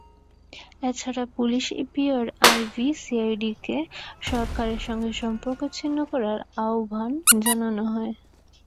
এছাড়া police, EPR, IB, সিআইডিকে সরকারের সঙ্গে সম্পর্ক ছিন্ন করার আহবান জানানো হয়।